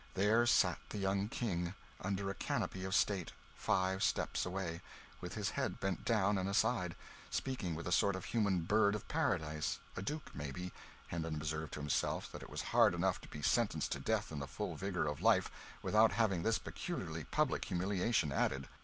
There sat the young King, under a canopy of state, five steps away, with his head bent down and aside, speaking with a sort of human bird of paradise a duke, maybe. Hendon observed to himself that it was hard enough to be sentenced to death in the full vigour of life, without having this peculiarly public humiliation added.